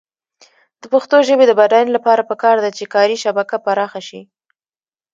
د پښتو ژبې د بډاینې لپاره پکار ده چې کاري شبکه پراخه شي.